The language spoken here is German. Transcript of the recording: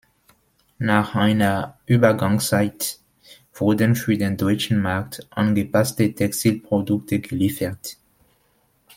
Nach einer Übergangszeit wurden für den deutschen Markt angepasste Textilprodukte geliefert.